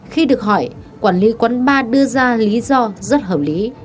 khi được hỏi quản lý quán bar đưa ra lý do rất hợp lý